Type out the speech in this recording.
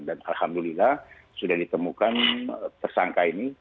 dan alhamdulillah sudah ditemukan tersangka ini